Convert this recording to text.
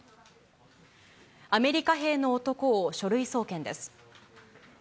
アメリカ兵の男を書類送検です。